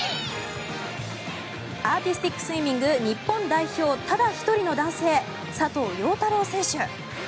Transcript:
アーティスティックスイミング日本代表ただ１人の男性佐藤陽太郎選手。